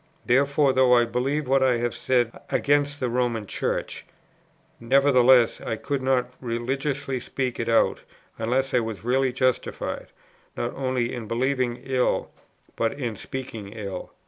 Therefore, though I believed what I said against the Roman Church, nevertheless I could not religiously speak it out, unless I was really justified, not only in believing ill, but in speaking ill.